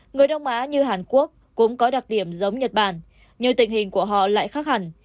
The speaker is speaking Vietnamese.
người đông á như hàn quốc cũng có đặc điểm giống nhật bản nhưng tình hình của họ lại khác hẳn